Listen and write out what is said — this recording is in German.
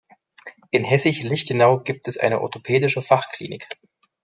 In Hessisch Lichtenau gibt es eine orthopädische Fachklinik.